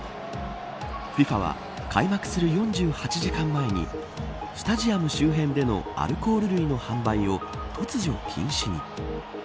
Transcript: ＦＩＦＡは開幕する４８時間前にスタジアム周辺でのアルコール類の販売を突如、禁止に。